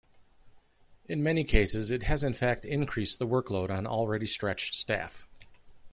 In many cases it has in fact increased the workload on already stretched staff.